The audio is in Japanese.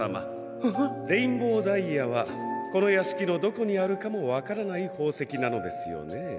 レインボーダイヤはこのやしきのどこにあるかもわからないほうせきなのですよねえ？